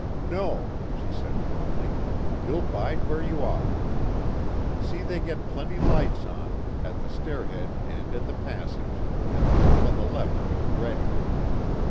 "No," she said firmly, "ye'll bide where ye are. See they get plenty lights on at the stair head and in the passage and the room on the left of it ready."